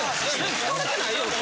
疲れてないよと。